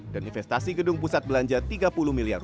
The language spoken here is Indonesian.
dan investasi gedung pusat belanja rp tiga puluh miliar